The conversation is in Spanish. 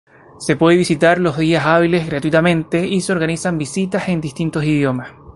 Se puede visitar los días hábiles gratuitamente y se organizan visitas en distintos idiomas.